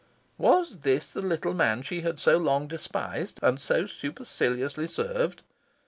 Was this the little man she had so long despised, and so superciliously served?